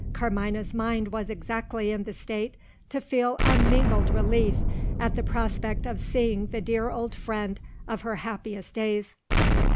Carmina's mind was exactly in the state to feel unmingled relief, at the prospect of seeing the dear old friend of her happiest days.